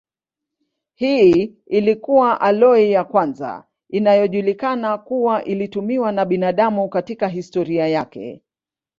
Hii ilikuwa aloi ya kwanza inayojulikana kuwa ilitumiwa na binadamu katika historia yake.